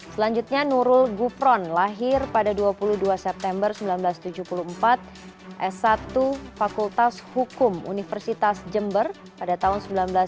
selanjutnya nurul gupron lahir pada dua puluh dua september seribu sembilan ratus tujuh puluh empat s satu fakultas hukum universitas jember pada tahun seribu sembilan ratus sembilan puluh